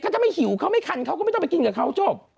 ถ้าไม่หิวเขาไม่คันเขาก็ไม่ต้องไปกินกับเขาจบ